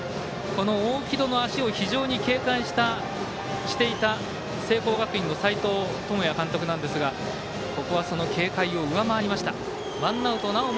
この大城戸の足を非常に警戒していた聖光学院の斎藤智也監督なんですがここはその警戒を上回りました。